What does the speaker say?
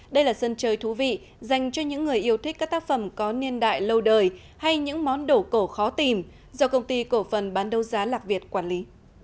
đây là sân chơi thú vị dành cho những người yêu thích các tác phẩm có niên đại lâu đời hay những món đổ cổ khó tìm do công ty cổ phần bán đấu giá lạc việt quản lý